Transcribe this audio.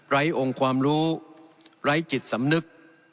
องค์ความรู้ไร้จิตสำนึก